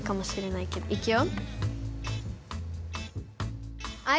いくよ！